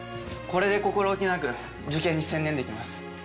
これで心置きなく受験に専念できます。